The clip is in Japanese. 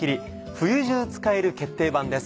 冬中使える決定版です。